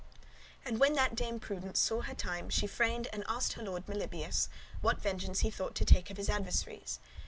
And when that Dame Prudence saw her time she freined [inquired] and asked her lord Melibœus, what vengeance he thought to take of his adversaries.